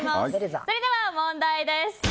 それでは問題です。